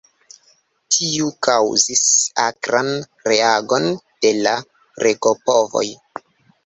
Tio kaŭzis akran reagon de la regopovoj.